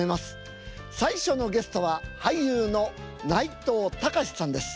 最初のゲストは俳優の内藤剛志さんです。